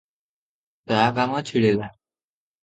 ତା କାମ ଛିଡ଼ିଲା ।